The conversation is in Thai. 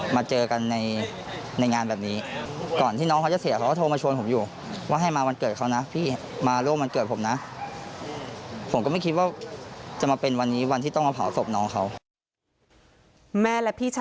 แม่และพี่ชายของในต้นเกิด